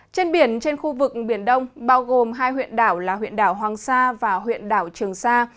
trên biển trên khu vực biển đông bao gồm hai huyện đảo là huyện đảo hoàng sa và huyện đảo trường sa